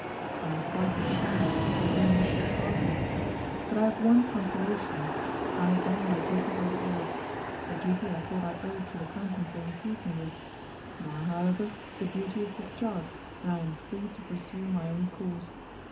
I am quite disappointed and almost disheartened. But I have one consolation, I have done my duty by the Arabs, a duty I thought I owed to the kindness they received me with, now, however, the duty is discharged, and I am free to pursue my own course.